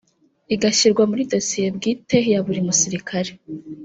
igashyirwa muri dosiye bwite ya buri musirikare